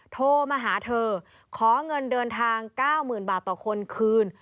โทรมาหาเธอขอเงินเดินทาง๙๐๐๐บาทต่อคนคืน